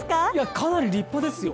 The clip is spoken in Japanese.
かなり立派ですよ。